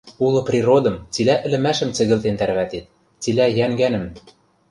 Улы природым, цилӓ ӹлӹмӓшӹм цӹгӹлтен тӓрвӓтет, цилӓ йӓнгӓнӹм: